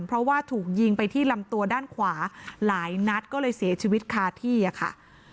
เพราะว่าถูกยิงไปที่ลำตัวด้านขวาหลายนัดก็เลยเสียชีวิตคาที่อะค่ะ